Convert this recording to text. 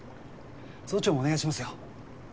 総長もお願いしますよ